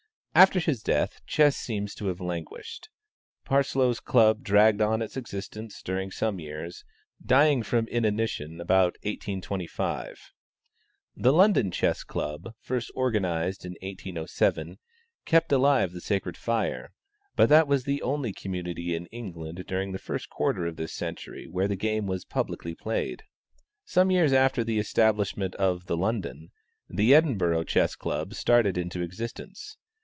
After his death, chess seems to have languished; Parsloe's club dragged on its existence during some years, dying from inanition about 1825. The London Chess Club, first organized in 1807, kept alive the sacred fire; but that was the only community in England during the first quarter of this century where the game was publicly played. Some years after the establishment of the London, the Edinburgh Chess Club started into existence.